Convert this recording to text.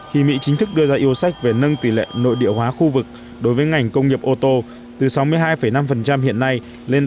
khi mỹ chính thức đưa ra yêu sách về nâng tỷ lệ nội địa hóa khu vực đối với ngành công nghiệp ô tô từ sáu mươi hai năm hiện nay lên tám mươi